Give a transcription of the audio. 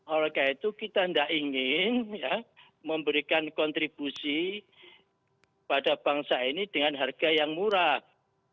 oleh karena itu kita tidak ingin memberikan kontribusi pada bangsa ini dengan harga yang murah